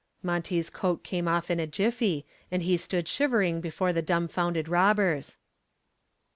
Monty's coat came off in a jiffy and he stood shivering before the dumfounded robbers.